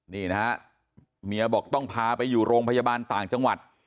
นี่นะฮะเมียบอกต้องพาไปอยู่โรงพยาบาลต่างจังหวัด